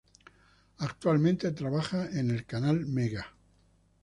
Actualmente trabaja en el canal Mega.